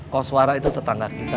koswara itu tetangga kita